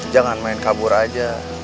jangan main kabur aja